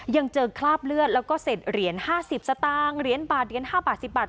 ยังเจอคราบเลือดแล้วก็เศษเหรียญ๕๐สตางค์เหรียญบาทเหรียญ๕บาท๑๐บาท